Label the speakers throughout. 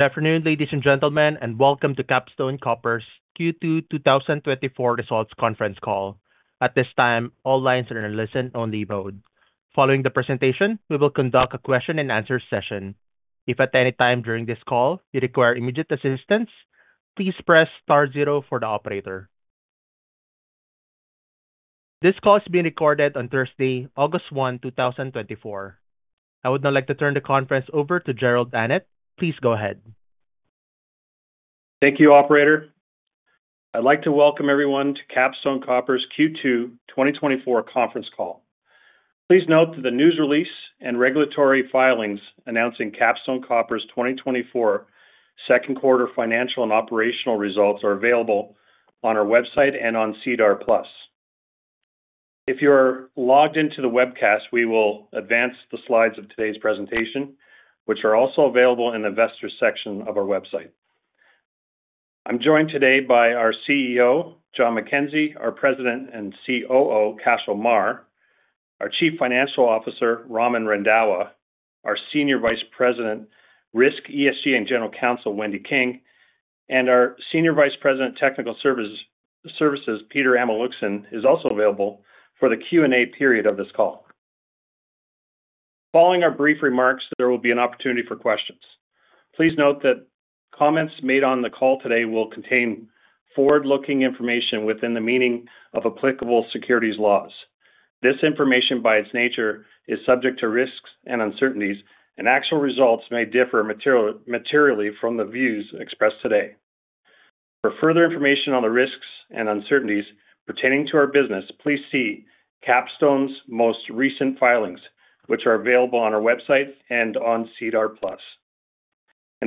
Speaker 1: Good afternoon, ladies and gentlemen, and welcome to Capstone Copper's Q2 2024 Results conference call. At this time, all lines are in a listen-only mode. Following the presentation, we will conduct a question and answer session. If at any time during this call you require immediate assistance, please press star zero for the operator. This call is being recorded on Thursday, August 1, 2024. I would now like to turn the conference over to Jerrold Annett. Please go ahead.
Speaker 2: Thank you, operator. I'd like to welcome everyone to Capstone Copper's Q2 2024 conference call. Please note that the news release and regulatory filings announcing Capstone Copper's 2024 second quarter financial and operational results are available on our website and on SEDAR+. If you're logged into the webcast, we will advance the slides of today's presentation, which are also available in the investor section of our website. I'm joined today by our CEO, John MacKenzie, our President and COO, Cashel Meagher, our Chief Financial Officer, Raman Randhawa, our Senior Vice President, Risk, ESG, and General Counsel, Wendy King, and our Senior Vice President, Technical Services, Peter Amelunxen, is also available for the Q&A period of this call. Following our brief remarks, there will be an opportunity for questions. Please note that comments made on the call today will contain forward-looking information within the meaning of applicable securities laws. This information, by its nature, is subject to risks and uncertainties, and actual results may differ materially from the views expressed today. For further information on the risks and uncertainties pertaining to our business, please see Capstone's most recent filings, which are available on our website and on SEDAR+.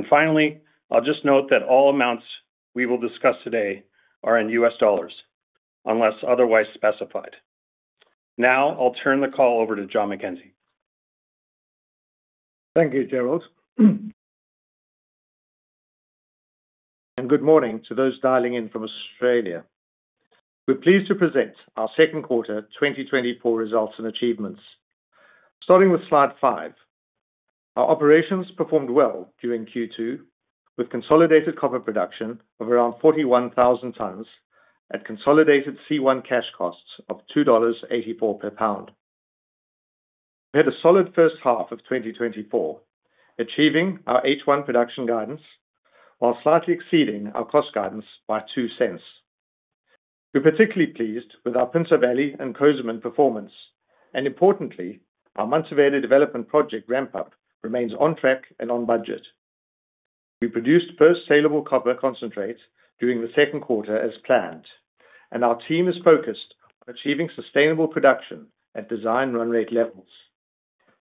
Speaker 2: Finally, I'll just note that all amounts we will discuss today are in US dollars, unless otherwise specified. Now, I'll turn the call over to John MacKenzie.
Speaker 3: Thank you, Jerrold. And good morning to those dialing in from Australia. We're pleased to present our second quarter 2024 results and achievements. Starting with slide 5. Our operations performed well during Q2, with consolidated copper production of around 41,000 tons at consolidated C1 cash costs of $2.84 per pound. We had a solid first half of 2024, achieving our H1 production guidance, while slightly exceeding our cost guidance by $0.02. We're particularly pleased with our Pinto Valley and Cozamin performance, and importantly, our Mantoverde development project ramp-up remains on track and on budget. We produced first salable copper concentrate during the second quarter as planned, and our team is focused on achieving sustainable production at design run rate levels.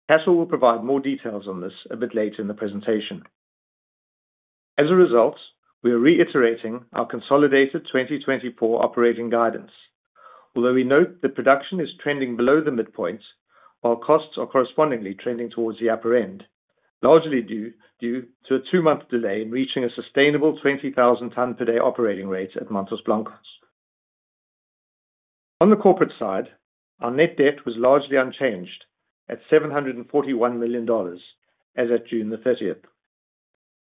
Speaker 3: Cashel will provide more details on this a bit later in the presentation. As a result, we are reiterating our consolidated 2024 operating guidance. Although we note that production is trending below the midpoint, while costs are correspondingly trending towards the upper end, largely due to a two-month delay in reaching a sustainable 20,000 ton per day operating rate at Mantos Blancos. On the corporate side, our net debt was largely unchanged at $741 million as at June 30.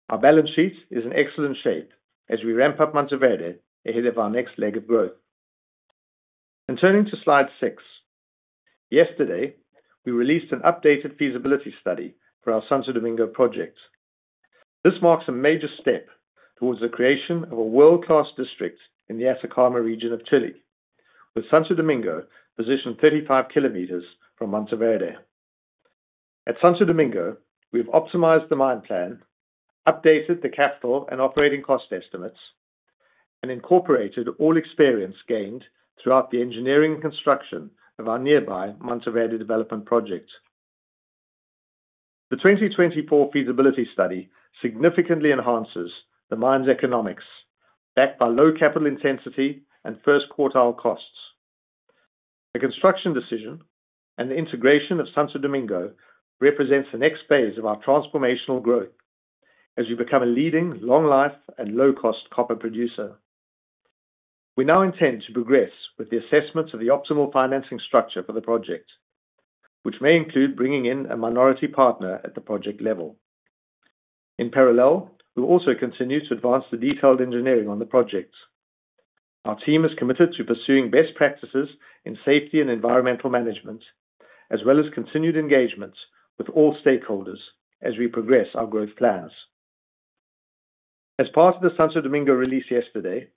Speaker 3: Our balance sheet is in excellent shape as we ramp up Mantoverde ahead of our next leg of growth. Turning to slide 6. Yesterday, we released an updated feasibility study for our Santo Domingo project. This marks a major step towards the creation of a world-class district in the Atacama region of Chile, with Santo Domingo positioned 35 kilometers from Mantoverde. At Santo Domingo, we've optimized the mine plan, updated the capital and operating cost estimates, and incorporated all experience gained throughout the engineering and construction of our nearby Mantoverde development project. The 2024 feasibility study significantly enhances the mine's economics, backed by low capital intensity and first quartile costs. The construction decision and the integration of Santo Domingo represents the next phase of our transformational growth as we become a leading, long-life, and low-cost copper producer. We now intend to progress with the assessment of the optimal financing structure for the project, which may include bringing in a minority partner at the project level. In parallel, we'll also continue to advance the detailed engineering on the project. Our team is committed to pursuing best practices in safety and environmental management, as well as continued engagements with all stakeholders as we progress our growth plans. As part of the Santo Domingo release yesterday,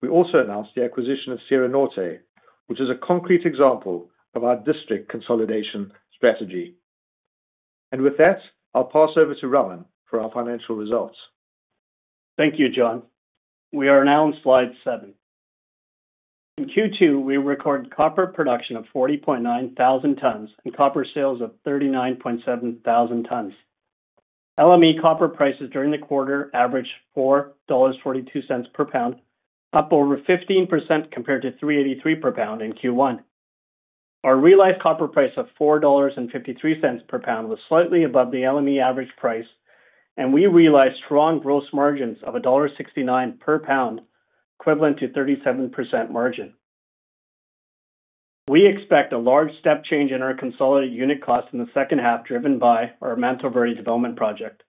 Speaker 3: we also announced the acquisition of Sierra Norte, which is a concrete example of our district consolidation strategy. With that, I'll pass over to Raman for our financial results.
Speaker 4: Thank you, John. We are now on slide 7. In Q2, we recorded copper production of 40.9 thousand tons and copper sales of 39.7 thousand tons. LME copper prices during the quarter averaged $4.42 per pound, up over 15% compared to $3.83 per pound in Q1. Our realized copper price of $4.53 per pound was slightly above the LME average price, and we realized strong gross margins of $1.69 per pound, equivalent to 37% margin. ...We expect a large step change in our consolidated unit cost in the second half, driven by our Mantoverde development project,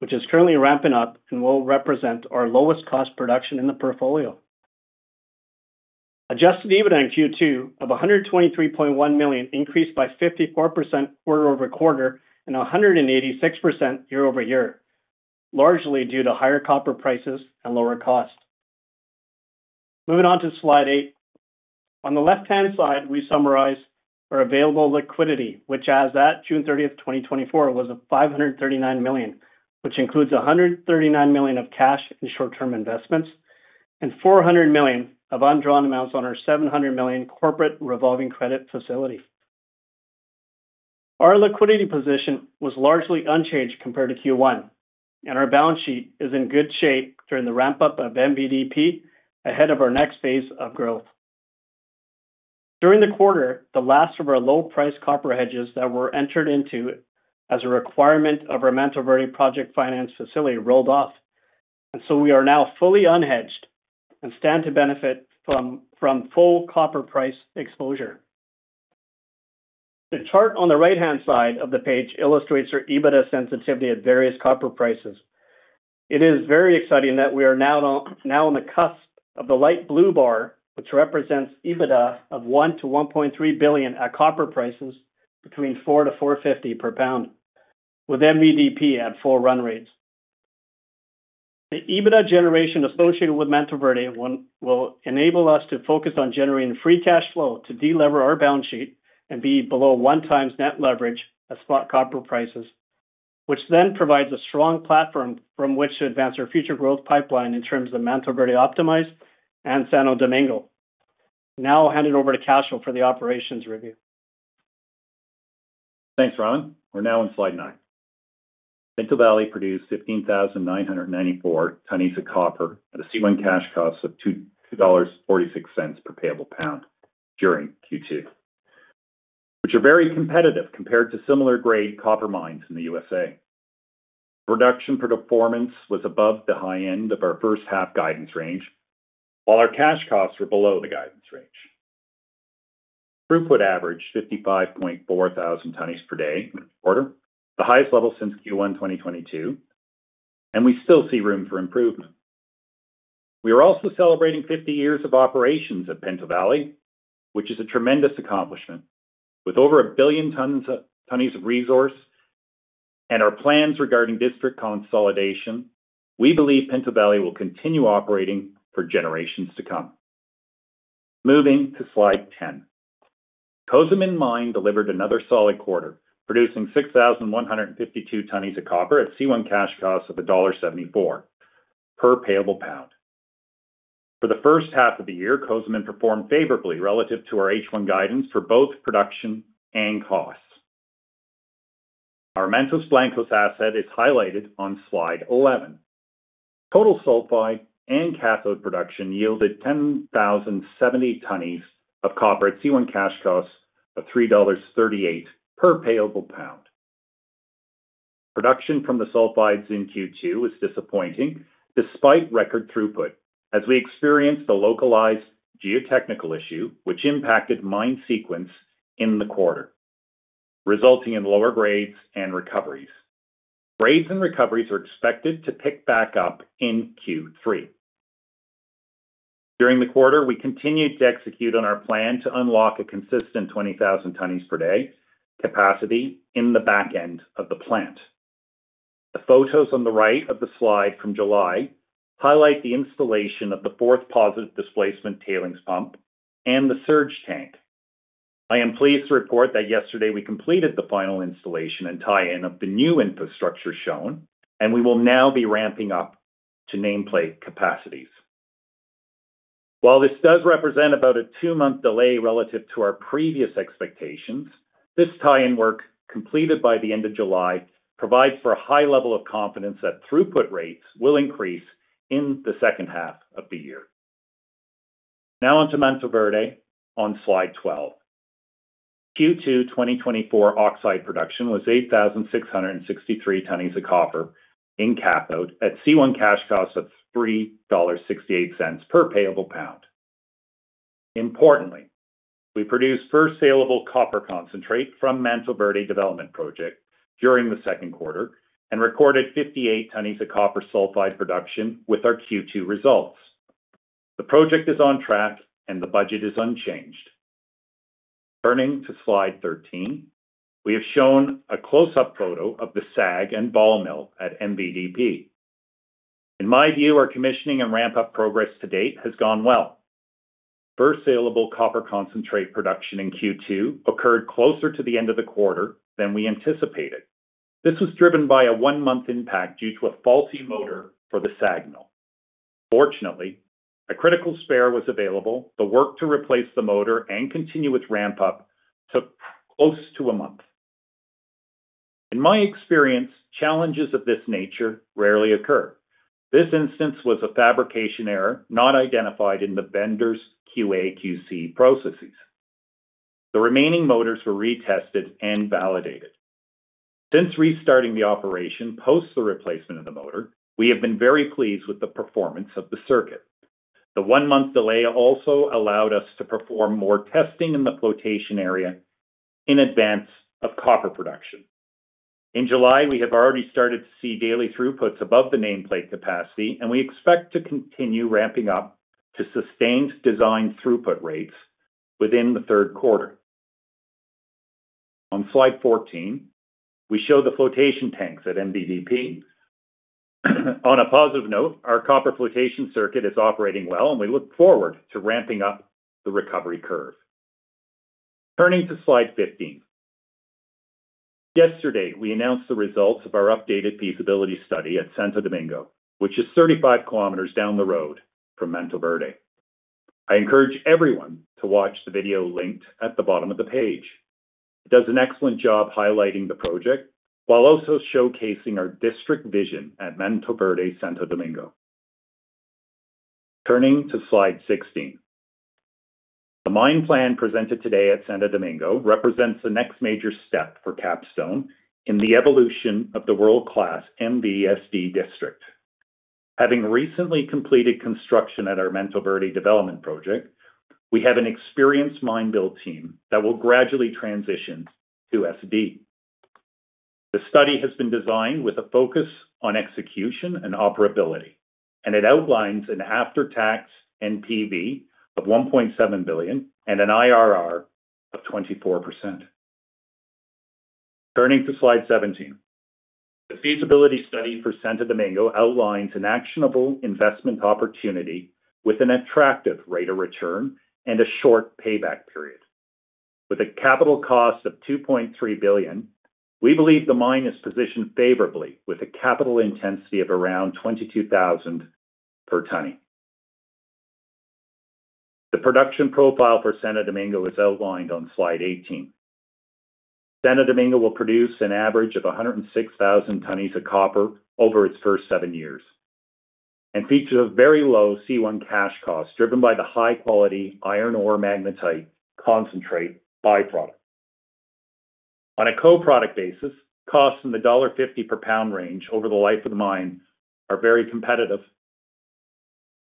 Speaker 4: which is currently ramping up and will represent our lowest cost production in the portfolio. Adjusted EBITDA in Q2 of $123.1 million, increased by 54% quarter-over-quarter, and 186% year-over-year, largely due to higher copper prices and lower costs. Moving on to slide 8. On the left-hand side, we summarize our available liquidity, which as at June 30, 2024, was at $539 million, which includes $139 million of cash and short-term investments, and $400 million of undrawn amounts on our $700 million corporate revolving credit facility. Our liquidity position was largely unchanged compared to Q1, and our balance sheet is in good shape during the ramp-up of MVDP, ahead of our next phase of growth. During the quarter, the last of our low-price copper hedges that were entered into as a requirement of our Mantoverde project finance facility rolled off, and so we are now fully unhedged and stand to benefit from full copper price exposure. The chart on the right-hand side of the page illustrates our EBITDA sensitivity at various copper prices. It is very exciting that we are now on the cusp of the light blue bar, which represents EBITDA of $1 billion-$1.3 billion at copper prices between $4.00-$4.50 per pound, with MVDP at full run rates. The EBITDA generation associated with Mantoverde 1, will enable us to focus on generating free cash flow to delever our balance sheet and be below one times net leverage at spot copper prices, which then provides a strong platform from which to advance our future growth pipeline in terms of Mantoverde Optimized and Santo Domingo. Now I'll hand it over to Cashel for the operations review.
Speaker 5: Thanks, Raman. We're now on slide 9. Pinto Valley produced 15,994 tonnes of copper at a C1 cash cost of $2.46 per payable pound during Q2, which are very competitive compared to similar grade copper mines in the USA. Production performance was above the high end of our first half guidance range, while our cash costs were below the guidance range. Throughput averaged 55,400 tonnes per day in the quarter, the highest level since Q1 2022, and we still see room for improvement. We are also celebrating 50 years of operations at Pinto Valley, which is a tremendous accomplishment. With over 1 billion tons of, tonnes of resource and our plans regarding district consolidation, we believe Pinto Valley will continue operating for generations to come. Moving to slide 10. Cozamin Mine delivered another solid quarter, producing 6,152 tonnes of copper at C1 cash costs of $1.74 per payable pound. For the first half of the year, Cozamin performed favorably relative to our H1 guidance for both production and costs. Our Mantos Blancos asset is highlighted on slide 11. Total sulfide and cathode production yielded 10,070 tonnes of copper at C1 cash costs of $3.38 per payable pound. Production from the sulfides in Q2 was disappointing, despite record throughput, as we experienced a localized geotechnical issue, which impacted mine sequence in the quarter, resulting in lower grades and recoveries. Grades and recoveries are expected to pick back up in Q3. During the quarter, we continued to execute on our plan to unlock a consistent 20,000 tons per day capacity in the back end of the plant. The photos on the right of the slide from July highlight the installation of the fourth positive displacement tailings pump and the surge tank. I am pleased to report that yesterday we completed the final installation and tie-in of the new infrastructure shown, and we will now be ramping up to nameplate capacities. While this does represent about a two-month delay relative to our previous expectations, this tie-in work, completed by the end of July, provides for a high level of confidence that throughput rates will increase in the second half of the year. Now on to Mantoverde on slide 12. Q2 2024 oxide production was 8,663 tonnes of copper cathode at C1 cash costs of $3.68 per payable pound. Importantly, we produced first saleable copper concentrate from Mantoverde Development Project during the second quarter and recorded 58 tonnes of copper sulfide production with our Q2 results. The project is on track, and the budget is unchanged. Turning to slide 13, we have shown a close-up photo of the SAG and ball mill at MVDP. In my view, our commissioning and ramp-up progress to date has gone well. First saleable copper concentrate production in Q2 occurred closer to the end of the quarter than we anticipated. This was driven by a one-month impact due to a faulty motor for the SAG mill. Fortunately, a critical spare was available. The work to replace the motor and continue with ramp-up took close to a month. In my experience, challenges of this nature rarely occur. This instance was a fabrication error, not identified in the vendor's QA/QC processes. The remaining motors were retested and validated. Since restarting the operation, post the replacement of the motor, we have been very pleased with the performance of the circuit. The one-month delay also allowed us to perform more testing in the flotation area in advance of copper production. In July, we have already started to see daily throughputs above the nameplate capacity, and we expect to continue ramping up to sustained design throughput rates within the third quarter. On Slide 14, we show the flotation tanks at MVDP. On a positive note, our copper flotation circuit is operating well, and we look forward to ramping up the recovery curve. Turning to Slide 15. Yesterday, we announced the results of our updated feasibility study at Santo Domingo, which is 35 km down the road from Mantoverde. I encourage everyone to watch the video linked at the bottom of the page. It does an excellent job highlighting the project, while also showcasing our district vision at Mantoverde Santo Domingo. Turning to Slide 16. The mine plan presented today at Santo Domingo represents the next major step for Capstone in the evolution of the world-class MVSD district. Having recently completed construction at our Mantoverde development project, we have an experienced mine build team that will gradually transition to SD. The study has been designed with a focus on execution and operability, and it outlines an after-tax NPV of $1.7 billion and an IRR of 24%. Turning to Slide 17. The feasibility study for Santo Domingo outlines an actionable investment opportunity with an attractive rate of return and a short payback period. With a capital cost of $2.3 billion, we believe the mine is positioned favorably, with a capital intensity of around 22,000 per tonne. The production profile for Santo Domingo is outlined on Slide 18. Santo Domingo will produce an average of 106,000 tonnes of copper over its first 7 years, and features a very low C1 cash cost, driven by the high quality iron ore magnetite concentrate byproduct. On a co-product basis, costs in the $50 per pound range over the life of the mine are very competitive.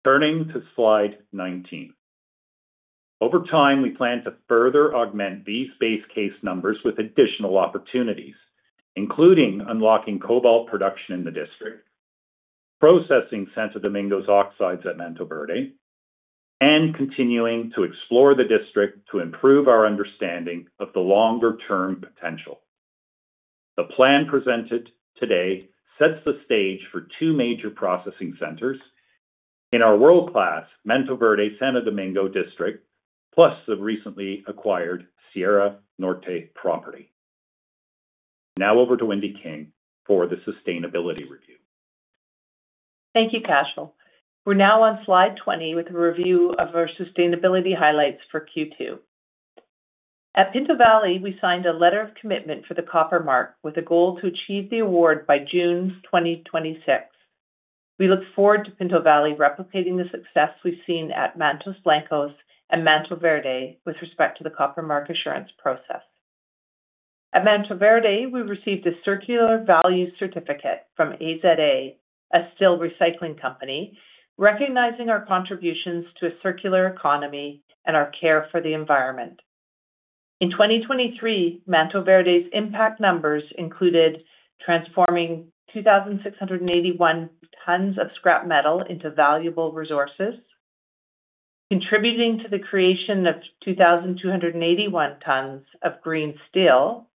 Speaker 5: Turning to Slide 19. Over time, we plan to further augment these base case numbers with additional opportunities, including unlocking cobalt production in the district, processing Santo Domingo's oxides at Mantoverde, and continuing to explore the district to improve our understanding of the longer-term potential. The plan presented today sets the stage for two major processing centers in our world-class Mantoverde Santo Domingo district, plus the recently acquired Sierra Norte property. Now over to Wendy King for the sustainability review.
Speaker 6: Thank you, Cashel. We're now on Slide 20, with a review of our sustainability highlights for Q2. At Pinto Valley, we signed a letter of commitment for the Copper Mark, with a goal to achieve the award by June 2026. We look forward to Pinto Valley replicating the success we've seen at Mantos Blancos and Mantoverde with respect to the Copper Mark Assurance process. At Mantoverde, we received a Circular Value certificate from AZA, a steel recycling company, recognizing our contributions to a circular economy and our care for the environment. In 2023, Mantoverde's impact numbers included transforming 2,681 tons of scrap metal into valuable resources, contributing to the creation of 2,281 tons of green steel,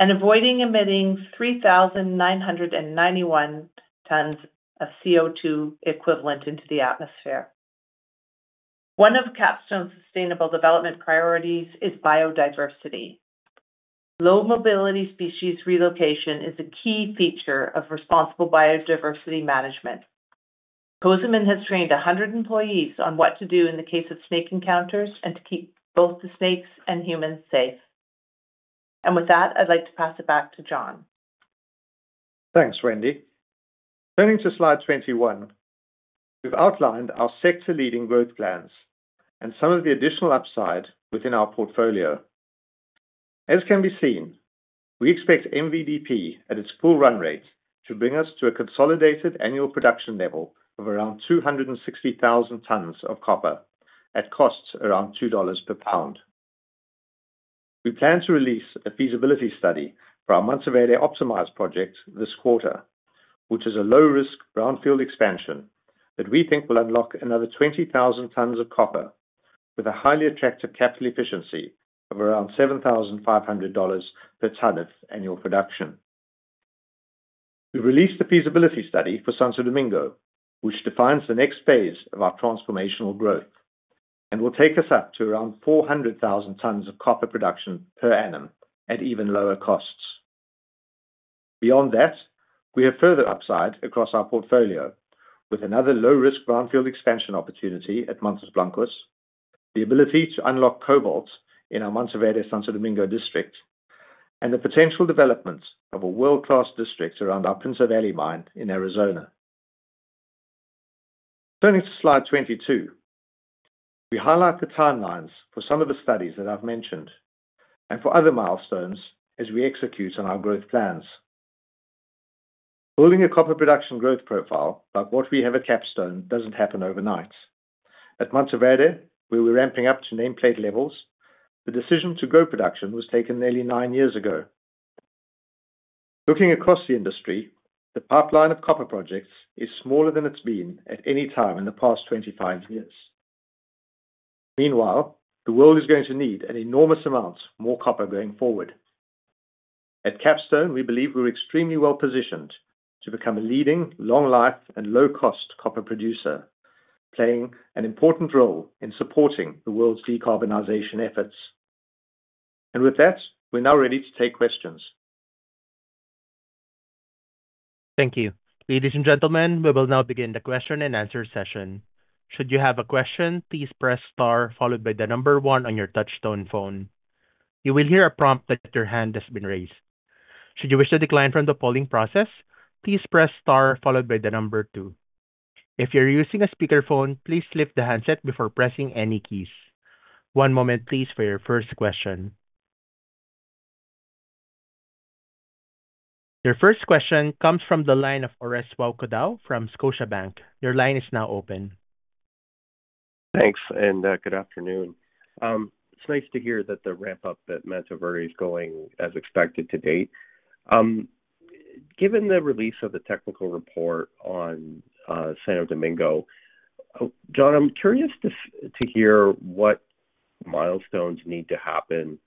Speaker 6: and avoiding emitting 3,991 tons of CO2 equivalent into the atmosphere. One of Capstone's sustainable development priorities is biodiversity. Low mobility species relocation is a key feature of responsible biodiversity management. Cozamin has trained 100 employees on what to do in the case of snake encounters and to keep both the snakes and humans safe. And with that, I'd like to pass it back to John.
Speaker 3: Thanks, Wendy. Turning to Slide 21, we've outlined our sector-leading growth plans and some of the additional upside within our portfolio. As can be seen, we expect MVDP, at its full run rate, to bring us to a consolidated annual production level of around 260,000 tonnes of copper at costs around $2 per pound. We plan to release a feasibility study for our Mantoverde Optimized project this quarter, which is a low-risk brownfield expansion that we think will unlock another 20,000 tonnes of copper with a highly attractive capital efficiency of around $7,500 per tonne of annual production. We've released the feasibility study for Santo Domingo, which defines the next phase of our transformational growth and will take us up to around 400,000 tonnes of copper production per annum at even lower costs. Beyond that, we have further upside across our portfolio with another low-risk brownfield expansion opportunity at Mantos Blancos, the ability to unlock cobalt in our Mantoverde Santo Domingo district, and the potential development of a world-class district around our Pinto Valley mine in Arizona. ... Turning to slide 22, we highlight the timelines for some of the studies that I've mentioned and for other milestones as we execute on our growth plans. Building a copper production growth profile, like what we have at Capstone, doesn't happen overnight. At Mantoverde, we were ramping up to nameplate levels. The decision to grow production was taken nearly 9 years ago. Looking across the industry, the pipeline of copper projects is smaller than it's been at any time in the past 25 years. Meanwhile, the world is going to need an enormous amount more copper going forward. At Capstone, we believe we're extremely well-positioned to become a leading long life and low-cost copper producer, playing an important role in supporting the world's decarbonization efforts. With that, we're now ready to take questions.
Speaker 1: Thank you. Ladies and gentlemen, we will now begin the question and answer session. Should you have a question, please press star followed by the number one on your touch-tone phone. You will hear a prompt that your hand has been raised. Should you wish to decline from the polling process, please press star followed by the number two. If you're using a speakerphone, please lift the handset before pressing any keys. One moment, please, for your first question. Your first question comes from the line of Orest Wowkodaw from Scotiabank. Your line is now open.
Speaker 7: Thanks, and good afternoon. It's nice to hear that the ramp-up at Mantoverde is going as expected to date. Given the release of the technical report on Santo Domingo, John, I'm curious to hear what milestones need to happen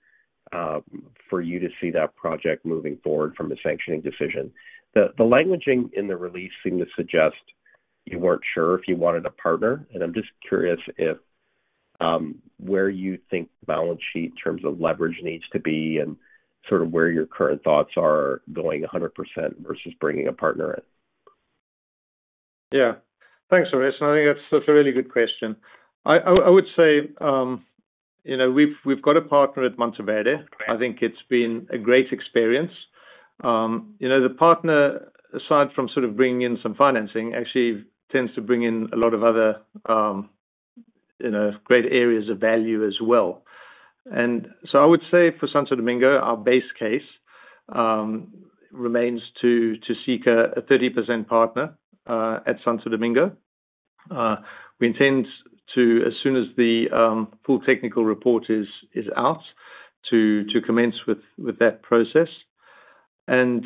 Speaker 7: for you to see that project moving forward from a sanctioning decision. The languaging in the release seemed to suggest you weren't sure if you wanted a partner, and I'm just curious if where you think the balance sheet in terms of leverage needs to be and sort of where your current thoughts are going 100% versus bringing a partner in.
Speaker 3: Yeah. Thanks, Orest. I think that's a really good question. I would say, you know, we've got a partner at Mantoverde. I think it's been a great experience. You know, the partner, aside from sort of bringing in some financing, actually tends to bring in a lot of other, you know, great areas of value as well. And so I would say for Santo Domingo, our base case, remains to seek a 30% partner at Santo Domingo. We intend to, as soon as the full technical report is out, to commence with that process. And,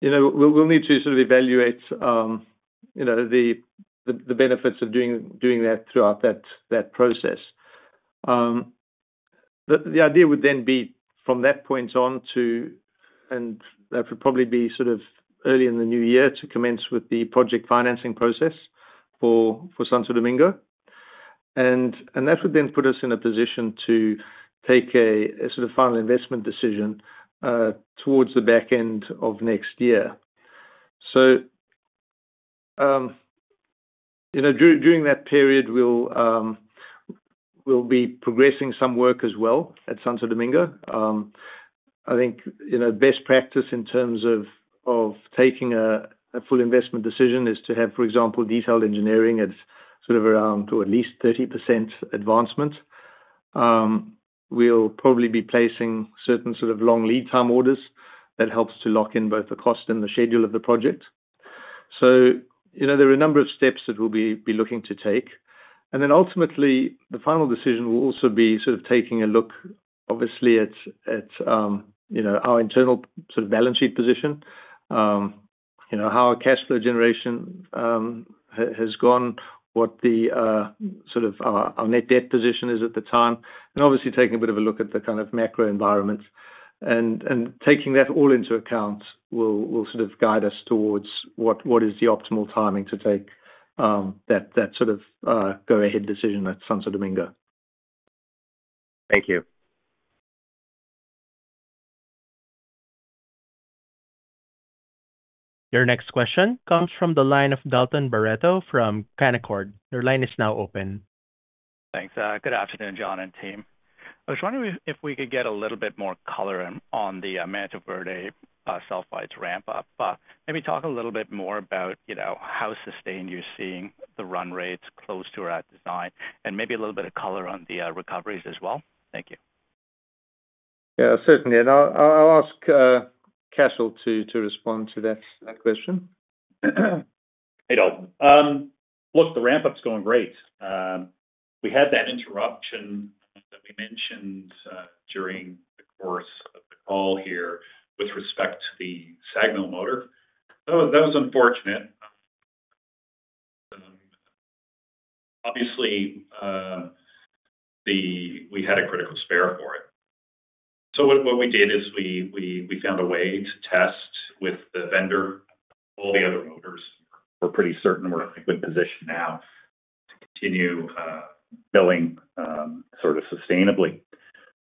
Speaker 3: you know, we'll need to sort of evaluate, you know, the benefits of doing that throughout that process. The idea would then be from that point on to, and that would probably be sort of early in the new year to commence with the project financing process for Santo Domingo. That would then put us in a position to take a sort of final investment decision towards the back end of next year. So, you know, during that period, we'll be progressing some work as well at Santo Domingo. I think, you know, best practice in terms of taking a full investment decision is to have, for example, detailed engineering at sort of around to at least 30% advancement. We'll probably be placing certain sort of long lead time orders that helps to lock in both the cost and the schedule of the project. So, you know, there are a number of steps that we'll be looking to take. And then ultimately, the final decision will also be sort of taking a look, obviously, at, you know, our internal sort of balance sheet position. You know, how our cash flow generation has gone, what sort of our net debt position is at the time, and obviously taking a bit of a look at the kind of macro environment. And taking that all into account, will sort of guide us towards what is the optimal timing to take that sort of go-ahead decision at Santo Domingo.
Speaker 7: Thank you.
Speaker 1: Your next question comes from the line of Dalton Baretto from Canaccord. Your line is now open.
Speaker 8: Thanks. Good afternoon, John and team. I was wondering if, if we could get a little bit more color on, on the Mantoverde sulfides ramp-up. Maybe talk a little bit more about, you know, how sustained you're seeing the run rates close to our design, and maybe a little bit of color on the recoveries as well. Thank you.
Speaker 3: Yeah, certainly. And I'll ask Cashel to respond to that question.
Speaker 5: Hey, Dalton. Look, the ramp-up's going great. We had that interruption that we mentioned during the course of the call here with respect to the SAG mill motor. So that was unfortunate. Obviously, we had a critical spare for it. So what we did is we found a way to test with the vendor all the other motors. We're pretty certain we're in a good position now to continue milling sort of sustainably.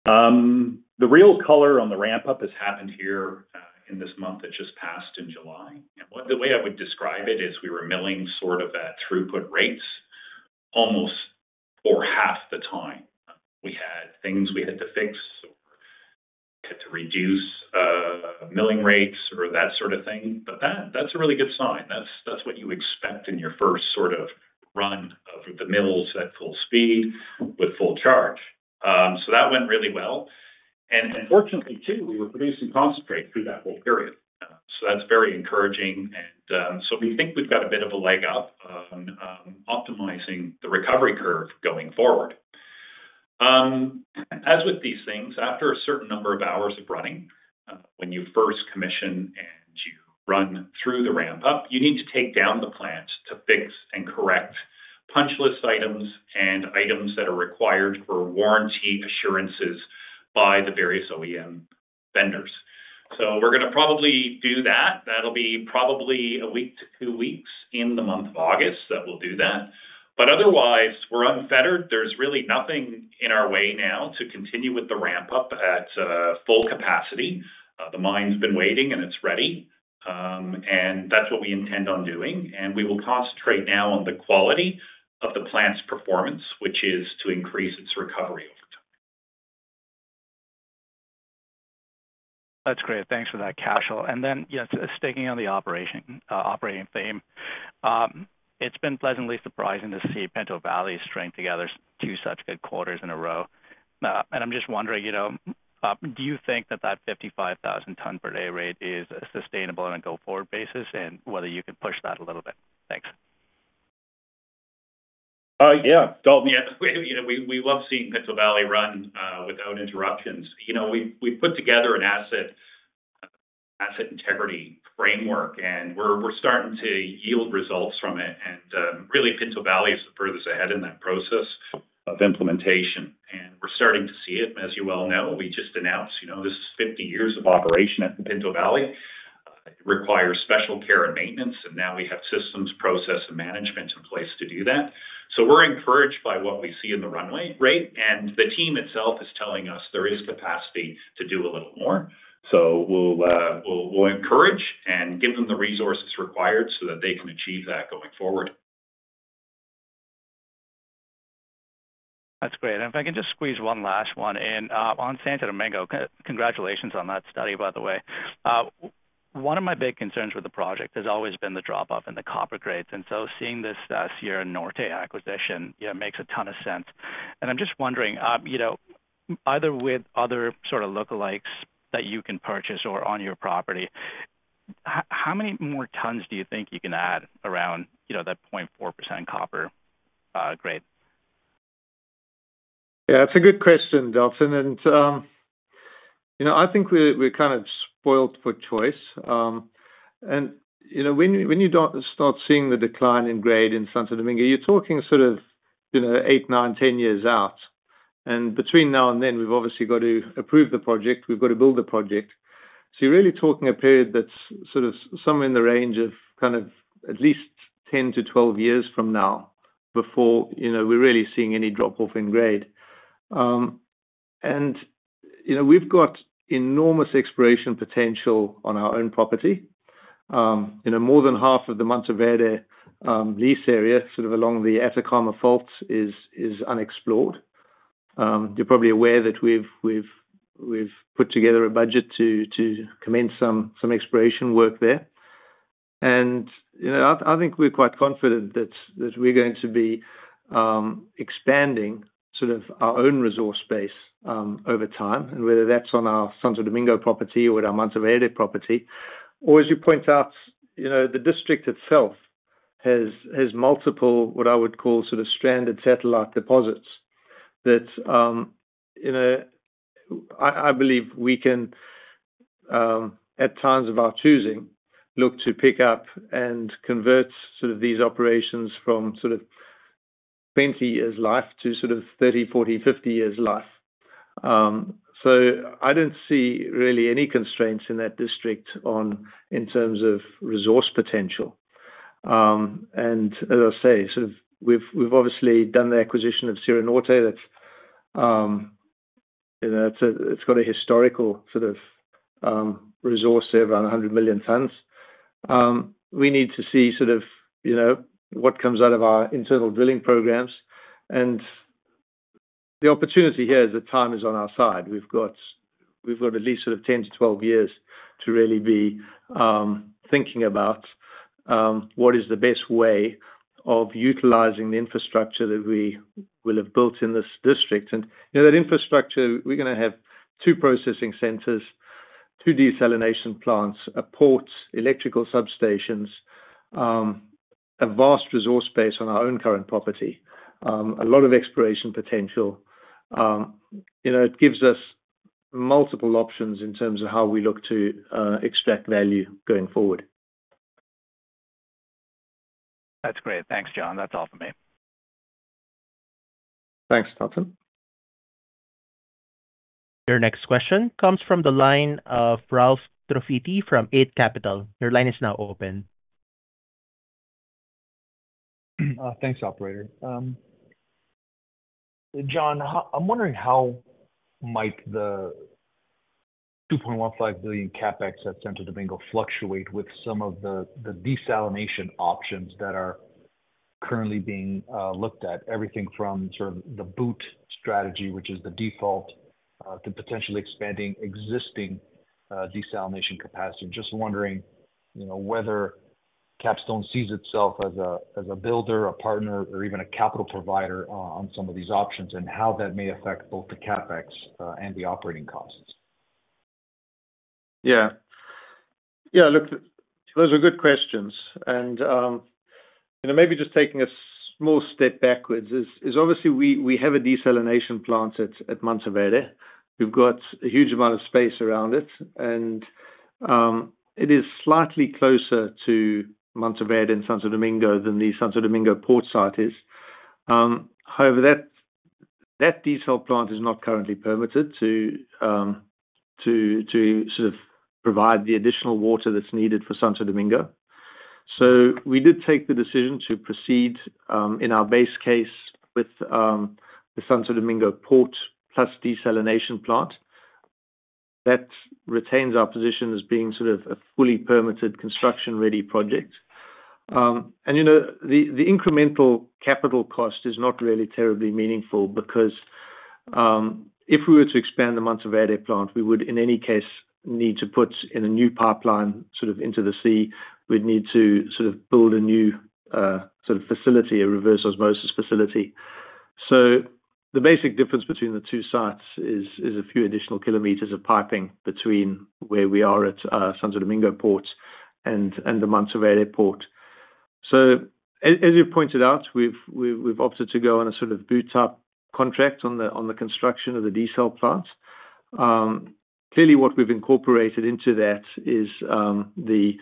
Speaker 5: The real color on the ramp-up has happened here in this month that just passed in July. And the way I would describe it is, we were milling sort of at throughput rates almost for half the time. We had things we had to fix reduce milling rates or that sort of thing. But that's a really good sign. That's what you expect in your first sort of run of the mills at full speed, with full charge. So that went really well. And fortunately, too, we were producing concentrate through that whole period. So that's very encouraging, and so we think we've got a bit of a leg up on optimizing the recovery curve going forward. As with these things, after a certain number of hours of running, when you first commission and you run through the ramp up, you need to take down the plant to fix and correct punch list items and items that are required for warranty assurances by the various OEM vendors. So we're gonna probably do that. That'll be probably a week to two weeks in the month of August that we'll do that. But otherwise, we're unfettered. There's really nothing in our way now to continue with the ramp-up at full capacity. The mine's been waiting, and it's ready. And that's what we intend on doing, and we will concentrate now on the quality of the plant's performance, which is to increase its recovery over time.
Speaker 8: That's great. Thanks for that, Cashel. And then, yes, sticking on the operation, operating theme. It's been pleasantly surprising to see Pinto Valley string together two such good quarters in a row. And I'm just wondering, you know, do you think that that 55,000-ton per day rate is sustainable on a go-forward basis, and whether you can push that a little bit? Thanks.
Speaker 5: Yeah. Dalton, yeah, you know, we, we love seeing Pinto Valley run without interruptions. You know, we, we put together an asset, asset integrity framework, and we're, we're starting to yield results from it. And really, Pinto Valley is the furthest ahead in that process of implementation, and we're starting to see it. As you well know, we just announced, you know, this is 50 years of operation at the Pinto Valley. It requires special care and maintenance, and now we have systems, process, and management in place to do that. So we're encouraged by what we see in the runway, right? And the team itself is telling us there is capacity to do a little more. So we'll, we'll, we'll encourage and give them the resources required so that they can achieve that going forward.
Speaker 8: That's great. And if I can just squeeze one last one in. On Santo Domingo, congratulations on that study, by the way. One of my big concerns with the project has always been the drop-off in the copper grades, and so seeing this, Sierra Norte acquisition, yeah, makes a ton of sense. And I'm just wondering, you know, either with other sort of lookalikes that you can purchase or on your property, how many more tons do you think you can add around, you know, that 0.4% copper grade?
Speaker 3: Yeah, it's a good question, Dalton. And, you know, I think we're kind of spoiled for choice. And, you know, when you don't start seeing the decline in grade in Santo Domingo, you're talking sort of, you know, 8, 9, 10 years out. And between now and then, we've obviously got to approve the project. We've got to build the project. So you're really talking a period that's sort of somewhere in the range of kind of at least 10-12 years from now, before, you know, we're really seeing any drop-off in grade. And, you know, we've got enormous exploration potential on our own property. You know, more than half of the Mantoverde lease area, sort of along the Atacama Fault, is unexplored. You're probably aware that we've put together a budget to commence some exploration work there. And, you know, I think we're quite confident that we're going to be expanding sort of our own resource base over time, and whether that's on our Santo Domingo property or our Mantoverde property. Or as you point out, you know, the district itself has multiple, what I would call sort of stranded satellite deposits that, you know, I believe we can, at times of our choosing, look to pick up and convert sort of these operations from sort of 20 years life to sort of 30, 40, 50 years life. So I don't see really any constraints in that district on, in terms of resource potential. And as I say, sort of we've obviously done the acquisition of Sierra Norte. That's, you know, it's got a historical sort of resource of around 100 million tons. We need to see sort of, you know, what comes out of our internal drilling programs. And the opportunity here is that time is on our side. We've got at least sort of 10-12 years to really be thinking about what is the best way of utilizing the infrastructure that we will have built in this district. And, you know, that infrastructure, we're gonna have two processing centers, two desalination plants, a port, electrical substations, a vast resource base on our own current property, a lot of exploration potential. You know, it gives us multiple options in terms of how we look to extract value going forward.
Speaker 8: That's great. Thanks, John. That's all for me.
Speaker 3: Thanks, Dalton.
Speaker 1: Your next question comes from the line of Ralph Profiti from Eight Capital. Your line is now open.
Speaker 9: Thanks, operator. John, I'm wondering how might the $2.15 billion CapEx at Santo Domingo fluctuate with some of the desalination options that are-... currently being looked at, everything from sort of the BOOT strategy, which is the default, to potentially expanding existing desalination capacity. Just wondering, you know, whether Capstone sees itself as a builder, a partner or even a capital provider on some of these options, and how that may affect both the CapEx and the operating costs?
Speaker 3: Yeah. Yeah, look, those are good questions. And, you know, maybe just taking a small step backwards is obviously we have a desalination plant at Mantoverde. We've got a huge amount of space around it, and it is slightly closer to Mantoverde and Santo Domingo than the Santo Domingo port site is. However, that desalination plant is not currently permitted to sort of provide the additional water that's needed for Santo Domingo. So we did take the decision to proceed in our base case with the Santo Domingo port, plus desalination plant. That retains our position as being sort of a fully permitted construction-ready project. You know, the incremental capital cost is not really terribly meaningful because if we were to expand the Mantoverde plant, we would, in any case, need to put in a new pipeline sort of into the sea. We'd need to sort of build a new sort of facility, a reverse osmosis facility. So the basic difference between the two sites is a few additional kilometers of piping between where we are at Santo Domingo port and the Mantoverde port. So as you pointed out, we've opted to go on a sort of BOOT-type contract on the construction of the desal plant. Clearly, what we've incorporated into that is the...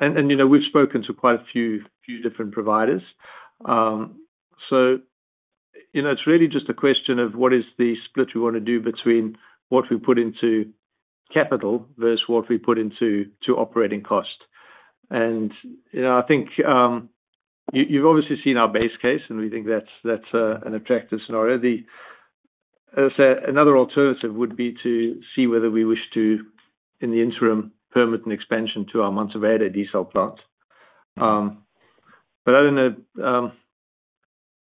Speaker 3: And you know, we've spoken to quite a few different providers. So, you know, it's really just a question of what is the split we wanna do between what we put into capital versus what we put into, to operating cost. And, you know, I think, you, you've obviously seen our base case, and we think that's, that's, an attractive scenario. As I say, another alternative would be to see whether we wish to, in the interim, permit an expansion to our Mantoverde desalination plant. But other than that,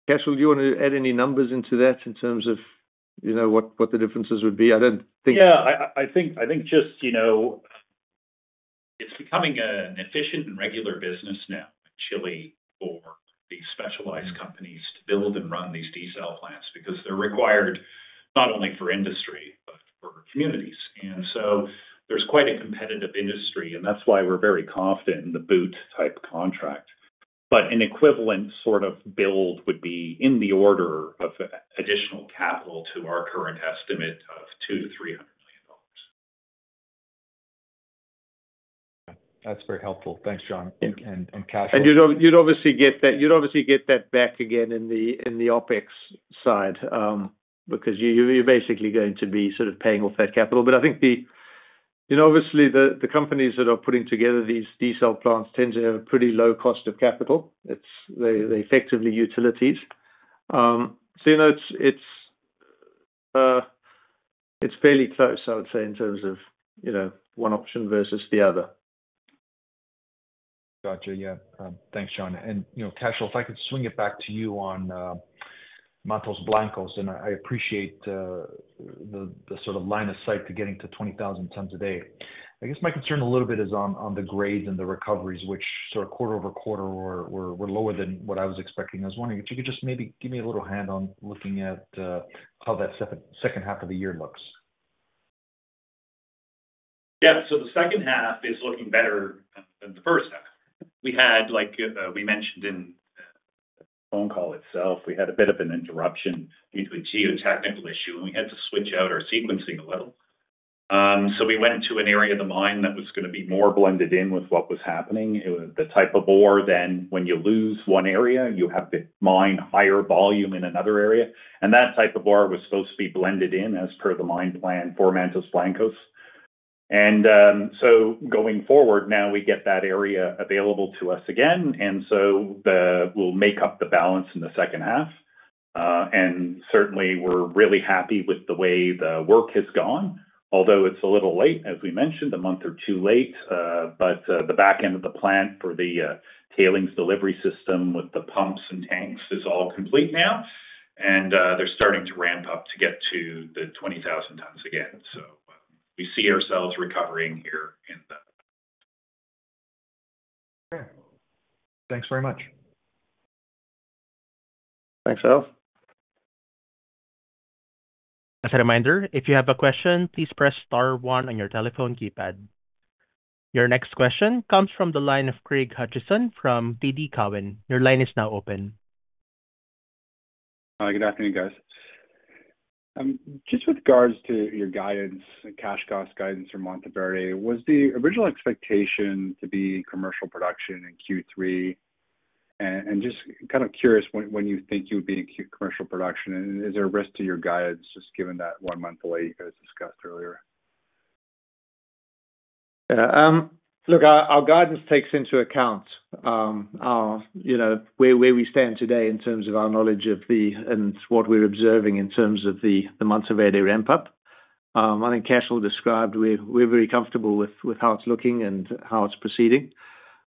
Speaker 3: Cashel, do you want to add any numbers into that in terms of, you know, what, what the differences would be? I don't think-
Speaker 5: Yeah, I think just, you know, it's becoming an efficient and regular business now in Chile for these specialized companies to build and run these desal plants, because they're required not only for industry, but for communities. And so there's quite a competitive industry, and that's why we're very confident in the BOOT-type contract. But an equivalent sort of build would be in the order of additional capital to our current estimate of $200 million-$300 million.
Speaker 9: That's very helpful. Thanks, John and Cashel.
Speaker 3: And you'd obviously get that, you'd obviously get that back again in the, in the OpEx side, because you, you're basically going to be sort of paying off that capital. But I think the... You know, obviously, the, the companies that are putting together these desal plants tend to have a pretty low cost of capital. It's, they, they're effectively utilities. So, you know, it's, it's, it's fairly close, I would say, in terms of, you know, one option versus the other.
Speaker 9: Gotcha. Yeah. Thanks, John. And, you know, Cashel, if I could swing it back to you on Mantos Blancos, and I appreciate the sort of line of sight to getting to 20,000 tons a day. I guess my concern a little bit is on the grades and the recoveries, which sort of quarter-over-quarter were lower than what I was expecting. I was wondering if you could just maybe give me a little hand on looking at how that second half of the year looks.
Speaker 5: Yeah. So the second half is looking better than the first half. We had, like, we mentioned in the phone call itself, we had a bit of an interruption due to a geotechnical issue, and we had to switch out our sequencing a little. So we went to an area of the mine that was gonna be more blended in with what was happening. It was the type of ore, then when you lose one area, you have to mine higher volume in another area. And that type of ore was supposed to be blended in as per the mine plan for Mantos Blancos. And, so going forward, now we get that area available to us again, and so we'll make up the balance in the second half. and certainly, we're really happy with the way the work has gone, although it's a little late, as we mentioned, a month or two late, but the back end of the plant for the tailings delivery system with the pumps and tanks is all complete now, and they're starting to ramp up to get to the 20,000 tons again. So we see ourselves recovering here in the
Speaker 9: Thanks very much.
Speaker 5: Thanks, Ralph.
Speaker 1: As a reminder, if you have a question, please press star one on your telephone keypad. Your next question comes from the line of Craig Hutchison from TD Cowen. Your line is now open.
Speaker 10: Good afternoon, guys. Just with regards to your guidance and cash cost guidance for Mantoverde, was the original expectation to be commercial production in Q3? And just kind of curious, when you think you would be in Q3 commercial production, and is there a risk to your guidance, just given that one month delay you guys discussed earlier?
Speaker 3: Yeah. Look, our guidance takes into account our, you know, where we stand today in terms of our knowledge of and what we're observing in terms of the Mantoverde ramp-up. I think Cashel described we're very comfortable with how it's looking and how it's proceeding.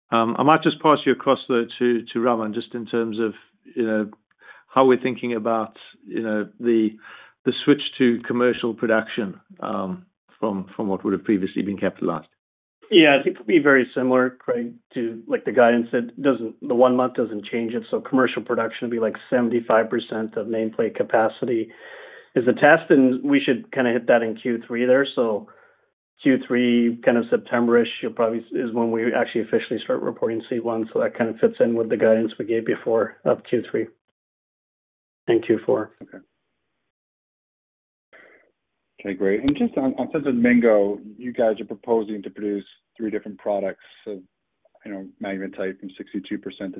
Speaker 3: I might just pass you across, though, to Raman, just in terms of, you know, how we're thinking about the switch to commercial production from what would have previously been capitalized.
Speaker 4: Yeah, I think it'll be very similar, Craig, to like the guidance. It doesn't, the one month doesn't change it, so commercial production will be like 75% of nameplate capacity is the test, and we should kinda hit that in Q3 there. So Q3, kind of September-ish, probably, is when we actually officially start reporting C1, so that kind of fits in with the guidance we gave before of Q3 and Q4.
Speaker 3: Okay.
Speaker 10: Okay, great. Just on terms of Santo Domingo, you guys are proposing to produce three different products of, you know, magnetite from 62%-67%.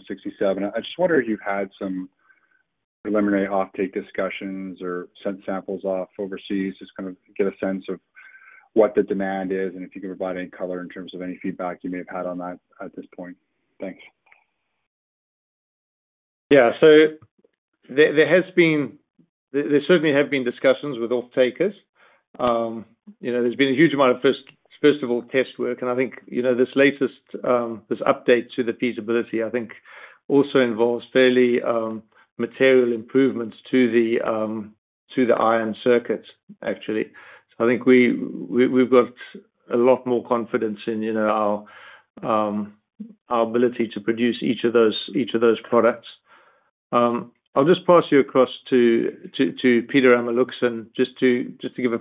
Speaker 10: I just wonder if you've had some preliminary offtake discussions or sent samples off overseas, just kind of get a sense of what the demand is and if you can provide any color in terms of any feedback you may have had on that at this point. Thanks.
Speaker 3: Yeah. So there has been... There certainly have been discussions with off-takers. You know, there's been a huge amount of first of all, test work, and I think, you know, this latest, this update to the feasibility, I think also involves fairly, material improvements to the, to the iron circuit, actually. So I think we, we've got a lot more confidence in, you know, our, our ability to produce each of those, each of those products. I'll just pass you across to Peter Amelunxen, just to give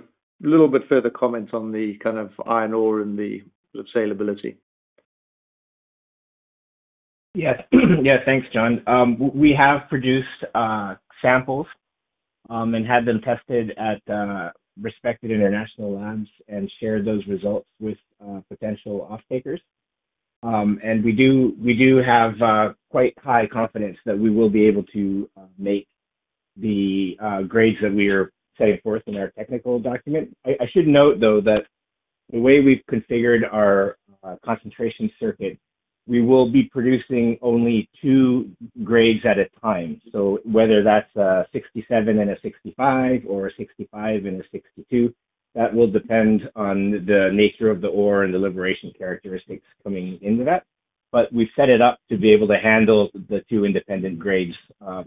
Speaker 3: a little bit further comment on the kind of iron ore and the saleability.
Speaker 11: Yes. Yeah. Thanks, John. We have produced samples and had them tested at respected international labs and shared those results with potential off-takers. We do, we do have quite high confidence that we will be able to make the grades that we are setting forth in our technical document. I should note, though, that the way we've configured our concentrator circuit, we will be producing only two grades at a time. So whether that's a 67 and a 65 or a 65 and a 62, that will depend on the nature of the ore and the liberation characteristics coming into that. But we've set it up to be able to handle the two independent grades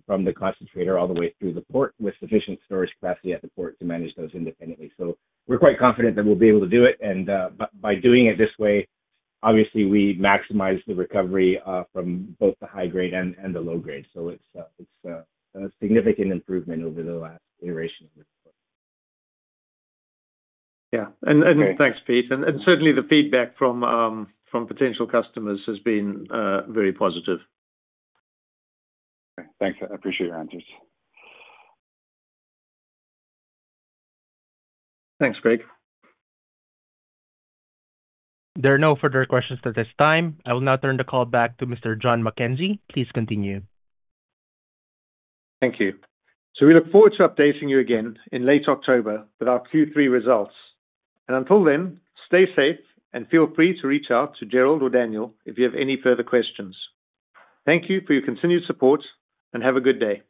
Speaker 11: from the concentrator all the way through the port, with sufficient storage capacity at the port to manage those independently. So we're quite confident that we'll be able to do it, and by doing it this way, obviously, we maximize the recovery from both the high grade and the low grade. So it's a significant improvement over the last iteration of this.
Speaker 3: Yeah. And thanks, Peter. And certainly the feedback from potential customers has been very positive.
Speaker 10: Okay, thanks. I appreciate your answers.
Speaker 11: Thanks, Craig.
Speaker 1: There are no further questions at this time. I will now turn the call back to Mr. John MacKenzie. Please continue.
Speaker 3: Thank you. We look forward to updating you again in late October with our Q3 results. Until then, stay safe and feel free to reach out to Jerrold or Daniel if you have any further questions. Thank you for your continued support, and have a good day.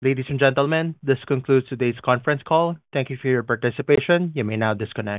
Speaker 1: Ladies and gentlemen, this concludes today's conference call. Thank you for your participation. You may now disconnect.